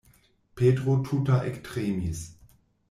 Petro tuta ektremis.